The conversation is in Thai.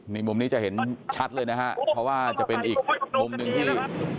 นี่มุมนี้จะเห็นชัดเลยนะฮะเพราะว่าจะเป็นอีกมุมหนึ่งที่